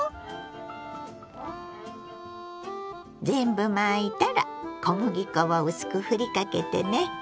全部巻いたら小麦粉を薄くふりかけてね。